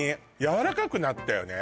やわらかくなったよね